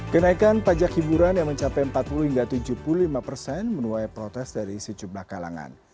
kenaikan pajak hiburan yang mencapai empat puluh hingga tujuh puluh lima persen menuai protes dari sejumlah kalangan